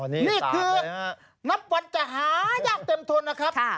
นี่คือนับวันจะหายากเต็มทนนะครับ